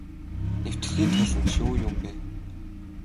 Нэвтэрхий толь нь ч юу юм бэ.